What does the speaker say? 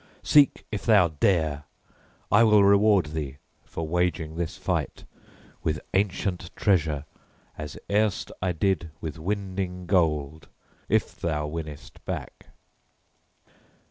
Seek if thou dare! I will reward thee, for waging this fight, with ancient treasure, as erst I did, with winding gold, if thou winnest back."